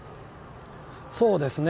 そうですね。